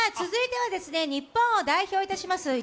続いては日本を代表します